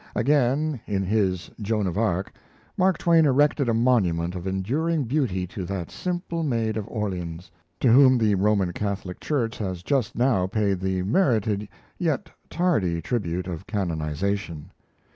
Again, in his 'Joan of Arc', Mark Twain erected a monument of enduring beauty to that simple maid of Orleans, to whom the Roman Catholic Church has just now paid the merited yet tardy tribute of canonization.